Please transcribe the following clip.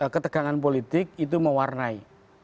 ketegangan politik itu mewarnai